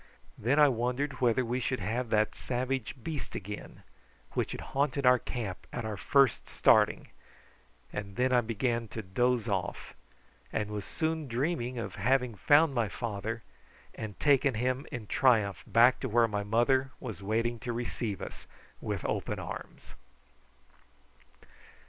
Then I wondered whether we should have that savage beast again which had haunted our camp at our first starting, and then I began to dose off, and was soon dreaming of having found my father, and taken him in triumph back to where my mother was waiting to receive us with open arms.